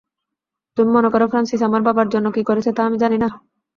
তুমি মনে করো ফ্রানসিস আমার বাবার জন্য কি করেছে তা আমি জানিনা?